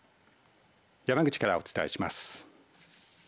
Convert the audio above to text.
山口からお伝えします。